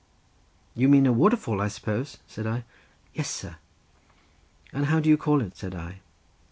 "You mean a waterfall, I suppose?" said I. "Yes, sir." "And how do you call it?" said I.